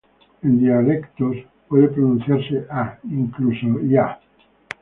En dialectos, puede pronunciarse "a", incluso "ia".